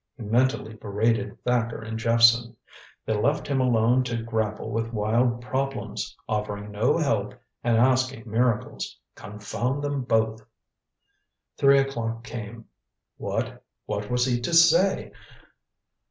He mentally berated Thacker and Jephson. They left him alone to grapple with wild problems, offering no help and asking miracles. Confound them both! Three o'clock came. What what was he to say?